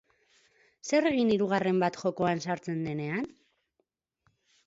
Zer egin hirugarren bat jokoan sartzen denean?